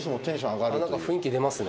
何か雰囲気出ますね。